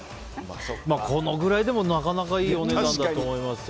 このくらいでもなかなかいいお値段だと思いますよ。